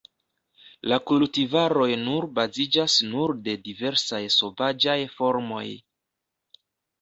La kultivaroj nur baziĝas nur de diversaj sovaĝaj formoj.